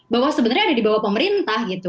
bahwa sebenarnya ada di bawah pemerintah gitu